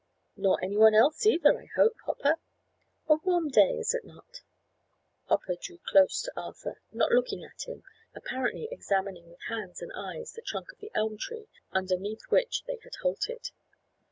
"Nor any one else, either, I hope, Hopper. A warm day, is it not!" Hopper drew close to Arthur, not looking at him, apparently examining with hands and eyes the trunk of the elm tree underneath which they had halted.